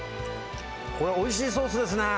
これ、おいしいソースですね。